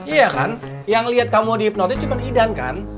iya kan yang lihat kamu dihipnotis cuma idan kan